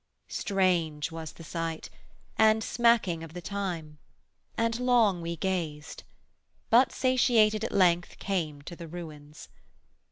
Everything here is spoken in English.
Strange was the sight and smacking of the time; And long we gazed, but satiated at length Came to the ruins.